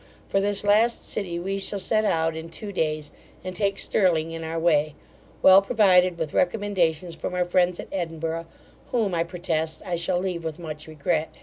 For this last city we shall set out in two days, and take Stirling in our way, well provided with recommendations from our friends at Edinburgh, whom, I protest, I shall leave with much regret.